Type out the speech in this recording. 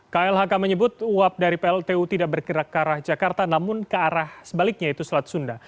klhk menyebut uap dari pltu tidak bergerak ke arah jakarta namun ke arah sebaliknya yaitu selat sunda